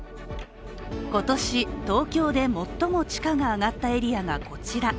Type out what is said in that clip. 今年、東京で最も地価が上がったエリアがこちら。